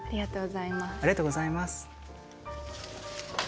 ありがとうございます。